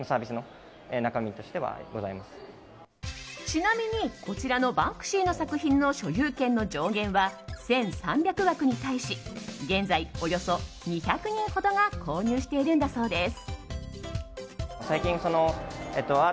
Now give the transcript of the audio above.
ちなみにこちらのバンクシーの作品の所有権の上限は１３００枠に対し現在、およそ２００人ほどが購入しているんだそうです。